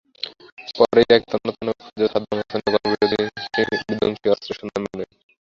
পরে ইরাকে তন্ন তন্ন করে খুঁজেও সাদ্দাম হোসেনের গণবিধ্বংসী অস্ত্রের সন্ধান মেলেনি।